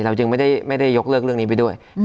เราจึงไม่ได้ยกเรื่องนี้ไปด้วย